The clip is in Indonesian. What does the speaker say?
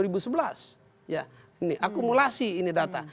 ini akumulasi ini data